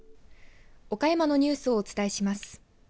岡山のニュースをお伝えします。